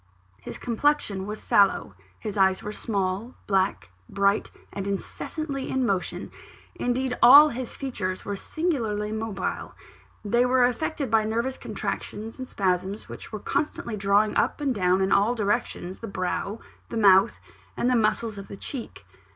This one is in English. His complexion was sallow; his eyes were small, black, bright, and incessantly in motion indeed, all his features were singularly mobile: they were affected by nervous contractions and spasms which were constantly drawing up and down in all directions the brow, the mouth, and the muscles of the cheek.